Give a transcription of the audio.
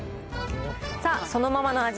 さあ、そのままの味